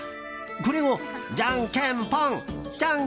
これをじゃんけんぽん。